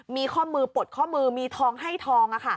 มีข้อมือปลดข้อมือมีทองให้ทอง